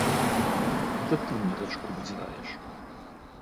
Гэта ты мне дачку выдзіраеш!